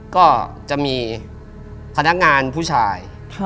ก็จะมีพนักงานผู้ชาย